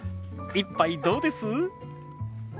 一杯どうです？